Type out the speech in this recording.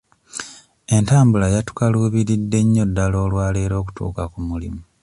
Entambula yatukaluubiridde nnyo ddala olwaleero okutuuka ku mulimu.